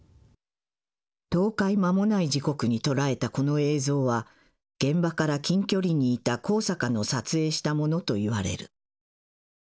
倒壊まもない時刻に捉えたこの映像は現場から近距離にいた高坂の撮影したものといわれる。